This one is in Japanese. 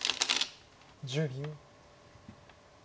１０秒。